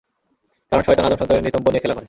কারণ, শয়তান আদম সন্তানের নিতম্ব নিয়ে খেলা করে।